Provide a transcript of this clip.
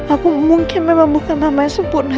aku mungkin memang bukan nama yang sempurna